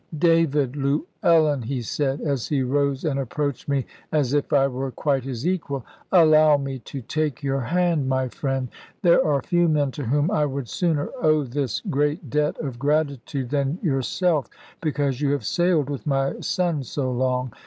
"David Llewellyn," he said, as he rose and approached me as if I were quite his equal; "allow me to take your hand, my friend. There are few men to whom I would sooner owe this great debt of gratitude than yourself, because you have sailed with my son so long.